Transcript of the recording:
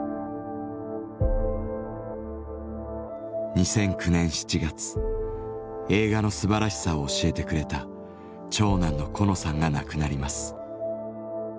２００９年７月映画のすばらしさを教えてくれた長男のコノさんが亡くなります。